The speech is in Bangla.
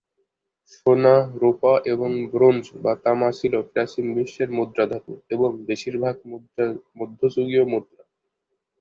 সোনা, রুপা এবং ব্রোঞ্জ বা তামা ছিল প্রাচীন বিশ্বের মুদ্রা ধাতু এবং বেশিরভাগ মধ্যযুগীয় মুদ্রা।